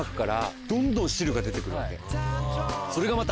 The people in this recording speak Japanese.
それがまた。